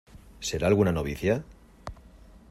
¿ será alguna novicia?